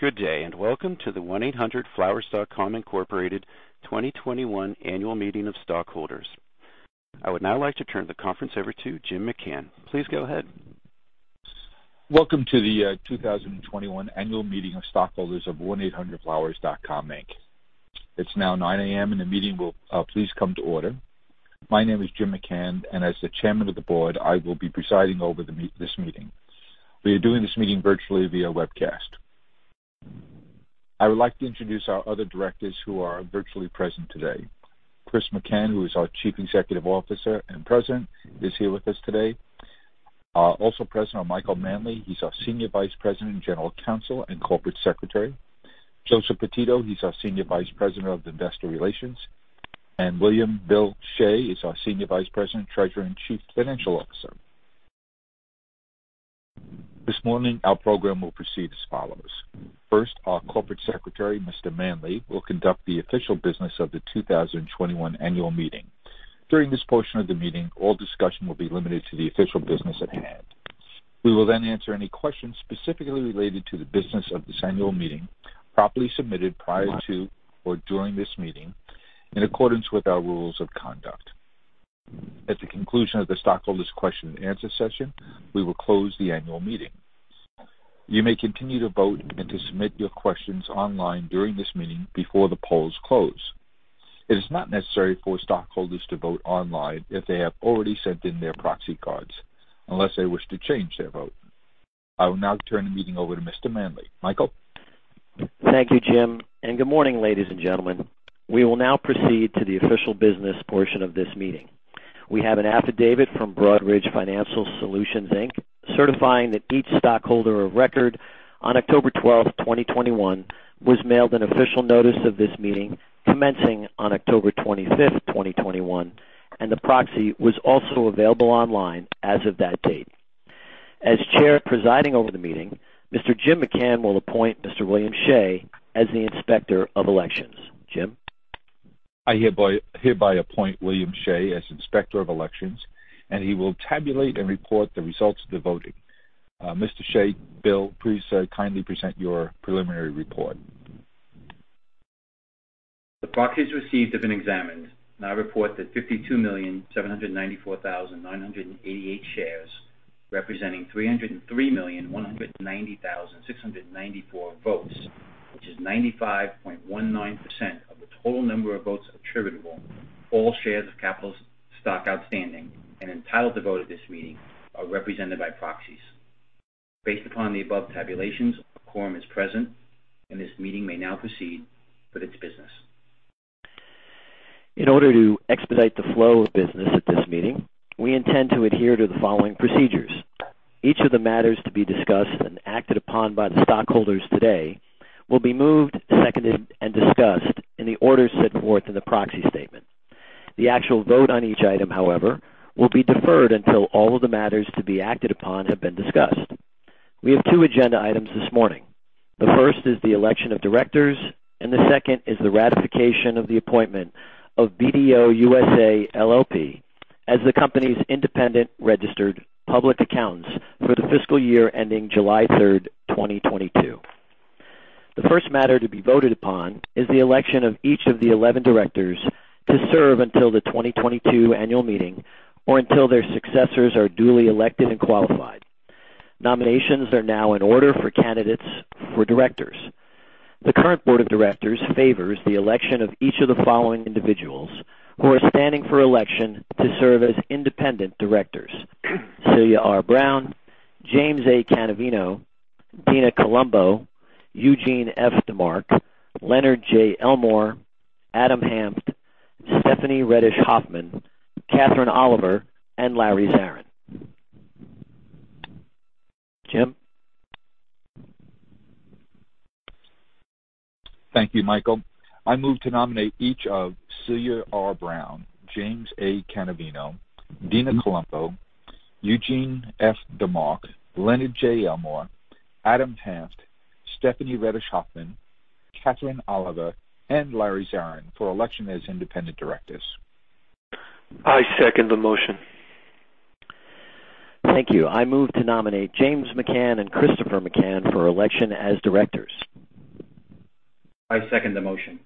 Good day, and welcome to the 1-800-FLOWERS.COM, Inc. 2021 annual meeting of stockholders. I would now like to turn the conference over to Jim McCann. Please go ahead. Welcome to the 2021 annual meeting of stockholders of 1-800-FLOWERS.COM, Inc. It's now 9:00 A.M., and the meeting will please come to order. My name is Jim McCann, and as the Chairman of the Board, I will be presiding over this meeting. We are doing this meeting virtually via webcast. I would like to introduce our other directors who are virtually present today. Chris McCann, who is our Chief Executive Officer and President, is here with us today. Also present are Michael Manley, he's our Senior Vice President, General Counsel, and Corporate Secretary. Joseph Pititto, he's our Senior Vice President of Investor Relations, and William Bill Shea is our Senior Vice President, Treasurer, and Chief Financial Officer. This morning, our program will proceed as follows. First, our corporate secretary, Mr. Mr. Manley will conduct the official business of the 2021 annual meeting. During this portion of the meeting, all discussion will be limited to the official business at hand. We will then answer any questions specifically related to the business of this annual meeting, properly submitted prior to or during this meeting, in accordance with our rules of conduct. At the conclusion of the stockholders question and answer session, we will close the annual meeting. You may continue to vote and to submit your questions online during this meeting before the polls close. It is not necessary for stockholders to vote online if they have already sent in their proxy cards unless they wish to change their vote. I will now turn the meeting over to Mr. Manley. Michael? Thank you, Jim, and good morning, ladies and gentlemen. We will now proceed to the official business portion of this meeting. We have an affidavit from Broadridge Financial Solutions, Inc., certifying that each stockholder of record on October twelfth, twenty twenty-one, was mailed an official notice of this meeting commencing on October twenty-fifth, twenty twenty-one, and the proxy was also available online as of that date. As chair presiding over the meeting, Mr. Jim McCann will appoint Mr. William Shea as the Inspector of Elections. Jim? I hereby appoint William Shea as Inspector of Elections, and he will tabulate and report the results of the voting. Mr. Shea, Bill, please, kindly present your preliminary report. The proxies received have been examined, and I report that 52,794,988 shares, representing 303,190,694 votes, which is 95.19% of the total number of votes attributable to all shares of capital stock outstanding and entitled to vote at this meeting, are represented by proxies. Based upon the above tabulations, a quorum is present, and this meeting may now proceed with its business. In order to expedite the flow of business at this meeting, we intend to adhere to the following procedures. Each of the matters to be discussed and acted upon by the stockholders today will be moved, seconded, and discussed in the order set forth in the proxy statement. The actual vote on each item, however, will be deferred until all of the matters to be acted upon have been discussed. We have 2 agenda items this morning. The first is the election of directors, and the second is the ratification of the appointment of BDO USA LLP as the company's independent registered public accountants for the fiscal year ending July 3rd, 2022. The first matter to be voted upon is the election of each of the 11 directors to serve until the 2022 annual meeting or until their successors are duly elected and qualified. Nominations are now in order for candidates for directors. The current board of directors favors the election of each of the following individuals who are standing for election to serve as independent directors. Celia R. Brown, James A. Canavino, Dina Colombo, Eugene F. DeMark, Leonard J. Elmore, Adam Hanft, Stephanie Redish Hofmann, Katherine Oliver, and Larry Zarin. Jim? Thank you, Michael. I move to nominate each of Celia R. Brown, James A. Cavinato, Dina Colombo, Eugene F. DeMark, Leonard J. Elmore, Adam Hanft, Stephanie Redish Hofmann, Katherine Oliver, and Larry Zarin for election as independent directors. I second the motion. Thank you. I move to nominate James McCann and Christopher McCann for election as directors. I second the motion.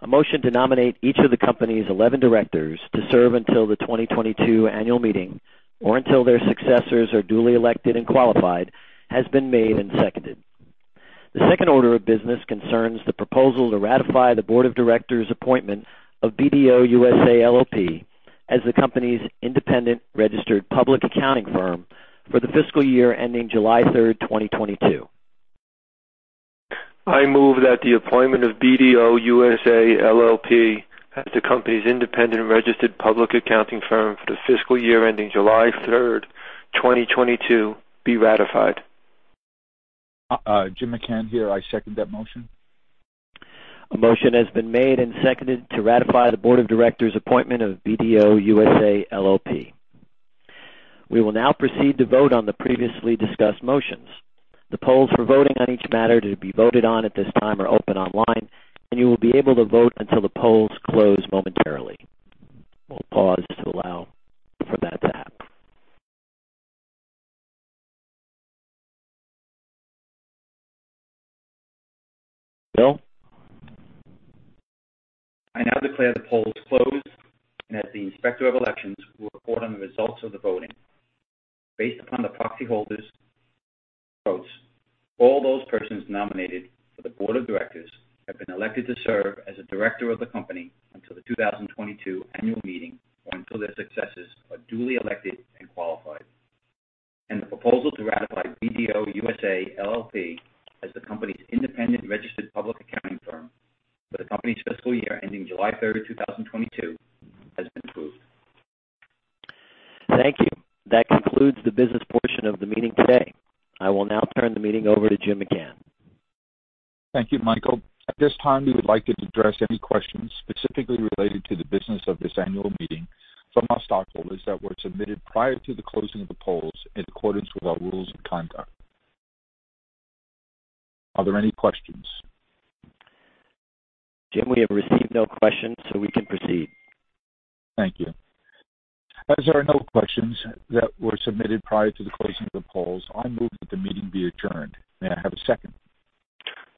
A motion to nominate each of the company's 11 directors to serve until the 2022 annual meeting or until their successors are duly elected and qualified has been made and seconded. The second order of business concerns the proposal to ratify the Board of Directors' appointment of BDO USA LLP as the company's independent registered public accounting firm for the fiscal year ending July 3rd, 2022. I move that the appointment of BDO USA LLP as the company's independent registered public accounting firm for the fiscal year ending July 3rd, 2022, be ratified. Jim McCann here. I second that motion. A motion has been made and seconded to ratify the Board of Directors appointment of BDO USA LLP. We will now proceed to vote on the previously discussed motions. The polls for voting on each matter to be voted on at this time are open online, and you will be able to vote until the polls close momentarily. We'll pause to allow for that to happen. Bill? I now declare the polls closed, and the Inspector of Elections will report on the results of the voting. Based upon the proxy holders' votes, all those persons nominated for the board of directors have been elected to serve as a director of the company until the 2022 annual meeting or until their successors are duly elected and qualified. The proposal to ratify BDO USA LLP as the company's independent registered public accounting firm for the company's fiscal year ending July 3, 2022, has been approved. Thank you. That concludes the business portion of the meeting today. I will now turn the meeting over to Jim McCann. Thank you, Michael. At this time, we would like to address any questions specifically related to the business of this annual meeting from our stockholders that were submitted prior to the closing of the polls in accordance with our rules of conduct. Are there any questions? Jim, we have received no questions, so we can proceed. Thank you. As there are no questions that were submitted prior to the closing of the polls, I move that the meeting be adjourned. May I have a second?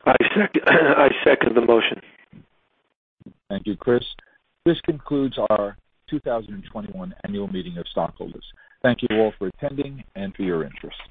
I second the motion. Thank you, Chris. This concludes our 2021 annual meeting of stockholders. Thank you all for attending and for your interest.